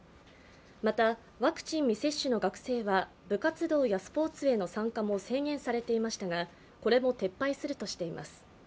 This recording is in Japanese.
また、ワクチン未接種の学生は部活動やスポーツへの参加も制限されていましたがこれも撤廃するとしています。